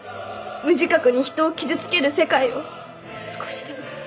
無自覚に人を傷つける世界を少しでも。